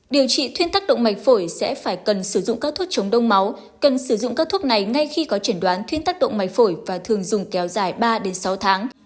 điều trị thuyên tắc động mạch phổi sẽ phải cần sử dụng các thuốc chống đông máu cần sử dụng các thuốc này ngay khi có trần đoán thuyên tác động mạch phổi và thường dùng kéo dài ba sáu tháng